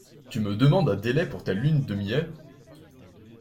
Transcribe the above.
Tu me demandes un délai pour ta lune de miel.